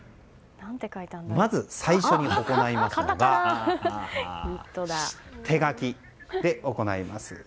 まず最初に行いますのが手書きで行います。